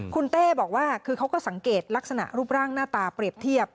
คุณเต้บอกว่าคือเขาก็สังเกตลักษณะรูปร่างหน้าตาเปรียบเทียบ